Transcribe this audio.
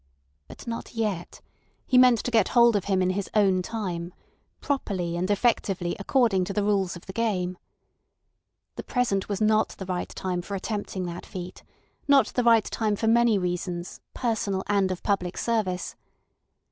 But not yet; he meant to get hold of him in his own time, properly and effectively according to the rules of the game. The present was not the right time for attempting that feat, not the right time for many reasons, personal and of public service.